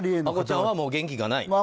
マコちゃんはもう元気がない？